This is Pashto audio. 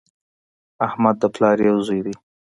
احمد د پلار یو زوی دی